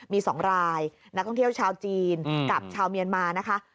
มี๒รายนักท่องเที่ยวชาวจีนกับชาวเมียนมานะคะ